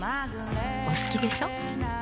お好きでしょ。